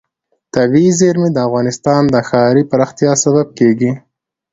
طبیعي زیرمې د افغانستان د ښاري پراختیا سبب کېږي.